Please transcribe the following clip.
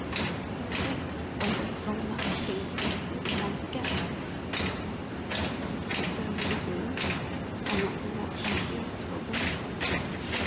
I will wait. If one waits long enough, pain ceases and one forgets. It is so with a wound, why not with what one feels for a woman?